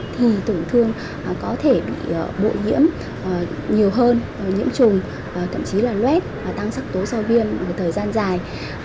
thì tổn thương có thể bị bội nhiễm nhiều hơn nhiễm trùng thậm chí là luet tăng sắc tố sau viêm một thời gian dài